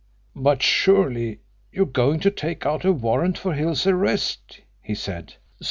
"But surely you're going to take out a warrant for Hill's arrest?" he said.